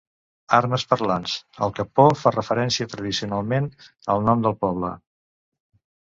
Armes parlants: el capó fa referència tradicionalment al nom del poble.